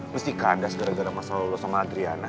mesti kandas gara gara masalah lu sama adriana